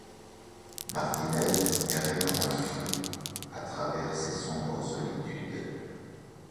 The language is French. Martinez errait comme un fou à travers ces sombres solitudes